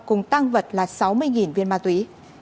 cùng tăng vật là sáu mươi viên ma túy